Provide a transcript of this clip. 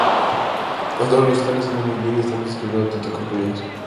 Hasta ahora lo están haciendo muy bien y estamos disfrutando de tocar con ellos.